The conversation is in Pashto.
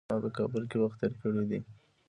ما په کابل کي وخت تېر کړی دی .